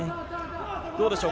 どうでしょう？